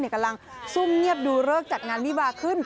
กำลังซุ่มเงียบดูเลิกจัดงานวิบาขึ้น